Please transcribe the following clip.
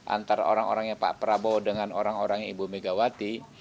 antara orang orangnya pak prabowo dengan orang orangnya ibu megawati